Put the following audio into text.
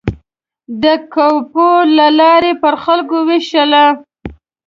د کوپون له لارې پر خلکو وېشله.